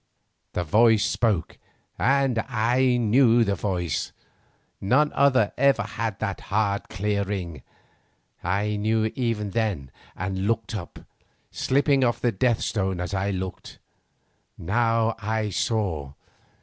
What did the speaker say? The voice spoke and I knew the voice. None other ever had that hard clear ring. I knew it even then and looked up, slipping off the death stone as I looked. Now I saw.